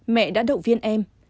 mẹ đã động viên em